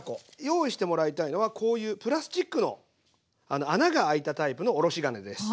用意してもらいたいのはこういうプラスチックの穴が開いたタイプのおろし金です。